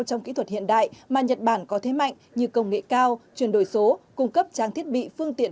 trong kỹ thuật hiện đại mà nhật bản có thế mạnh như công nghệ cao chuyển đổi số cung cấp trang thiết bị phương tiện